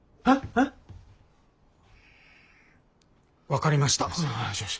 分かりました。